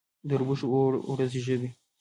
د اوربشو اوړه زیږه وي.